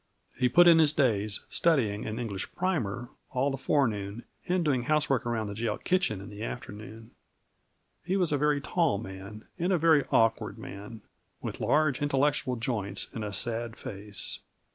He put in his days studying an English primer all the forenoon and doing housework around the jail kitchen in the afternoon. He was a very tall man and a very awkward man, with large, intellectual joints and a sad face.